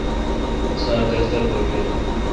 سار دفتر پر بجون۔